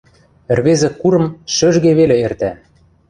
Ӹӹрвезӹ курым шӧжге веле эртӓ.